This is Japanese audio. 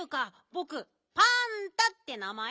ぼくパンタって名まえ。